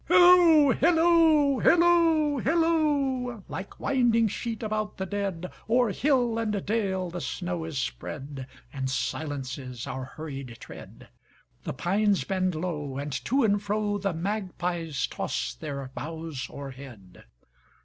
Hilloo, hilloo, hilloo, hilloo! Like winding sheet about the dead, O'er hill and dale the snow is spread, And silences our hurried tread; The pines bend low, and to and froThe magpies toss their boughs o'erhead.